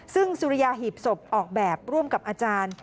ซึ่งสุริยาหีบศพออกแบบร่วมกับอาจารย์